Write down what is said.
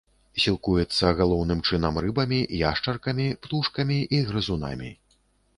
Сілкуецца галоўным чынам рыбамі, яшчаркамі, птушкамі і грызунамі.